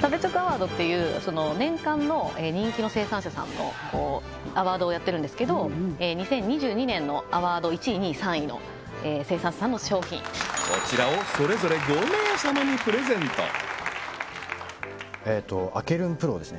食べチョクアワードっていう年間の人気の生産者さんのアワードをやってるんですけど２０２２年のアワード１位２位３位の生産者さんの商品ＡｋｅｒｕｎＰｒｏをですね